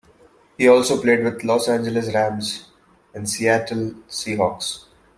He also played with the Los Angeles Rams and Seattle Seahawks.